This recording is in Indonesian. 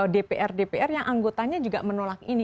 dpr dpr yang anggotanya juga menolak ini